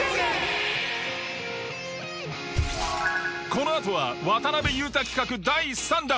このあとは渡邊雄太企画第３弾！